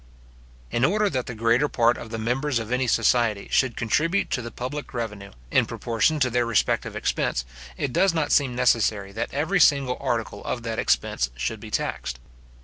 In order that the greater part of the members of any society should contribute to the public revenue, in proportion to their respective expense, it does not seem necessary that every single article of that expense should be taxed.